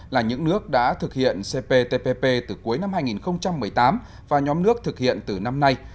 là những nước đã thực hiện cptpp từ cuối năm hai nghìn một mươi tám và nhóm nước thực hiện từ năm nay